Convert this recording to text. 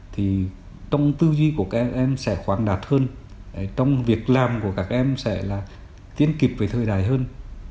thì trong tư duy của các em sẽ khoảng đạt hơn trong việc làm của các em sẽ tiến kịp về thời đại hơn